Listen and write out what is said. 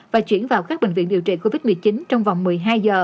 và chuyển vào các bệnh viện điều trị covid một mươi chín trong vòng một mươi hai giờ